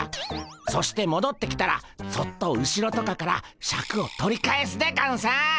そしてもどってきたらそっと後ろとかからシャクを取り返すでゴンス。